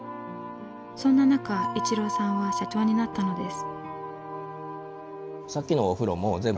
そんな中逸郎さんは社長になったのです。